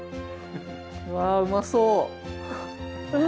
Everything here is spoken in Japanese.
わうまそう！